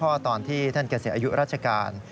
ซื้อให้พ่อตอนที่ท่านแก่เสียอายุราชการ